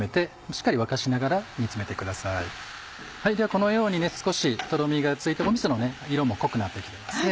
このように少しとろみがついてみその色も濃くなって来てますね。